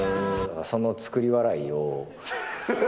その作り笑いを。